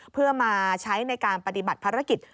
เพื่อมาใช้ในการปฏิบัติภารกิจ